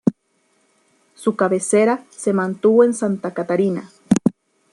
Su cabecera se mantuvo en Santa Catarina.